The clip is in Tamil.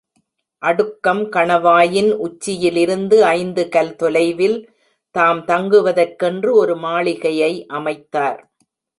அடுக்கம் கணவாயின் உச்சியிலிருந்து ஐந்து கல் தொலைவில், தாம் தங்குவதற்கென்று ஒரு மாளிகையை அமைத்தார்.